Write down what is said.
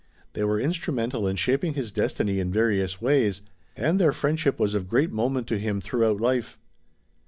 They were instrumental in shaping his destiny in various ways, and their friendship was of great moment to him throughout life.